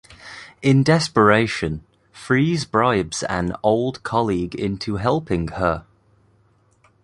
In desperation, Freeze bribes an old colleague into helping her.